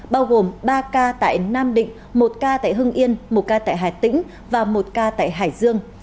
bao gồm ba ca tại nam định một ca tại hưng yên một ca tại hà tĩnh và một ca tại hải dương